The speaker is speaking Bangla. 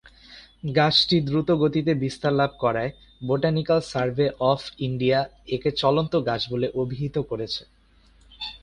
গাছটি দ্রুত গতিতে বিস্তার লাভ করায়, বোটানিক্যাল সার্ভে অফ ইন্ডিয়া একে "চলন্ত গাছ" বলে অভিহিত করেছে।